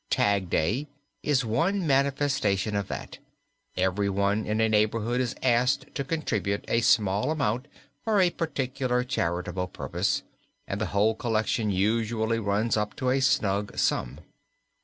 "Tag day" is one manifestation of that. Everyone in a neighborhood is asked to contribute a small amount for a particular charitable purpose, and the whole collection usually runs up to a snug sum.